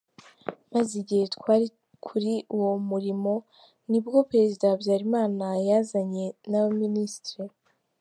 Maze igihe twali kuli uwo mulimo nibwo Prezida Habyarimana yazanye n’aba ministre”.